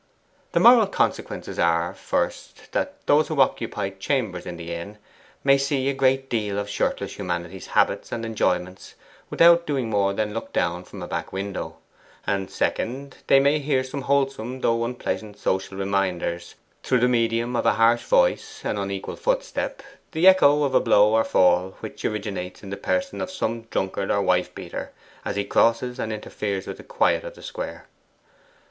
The moral consequences are, first, that those who occupy chambers in the Inn may see a great deal of shirtless humanity's habits and enjoyments without doing more than look down from a back window; and second they may hear wholesome though unpleasant social reminders through the medium of a harsh voice, an unequal footstep, the echo of a blow or a fall, which originates in the person of some drunkard or wife beater, as he crosses and interferes with the quiet of the square.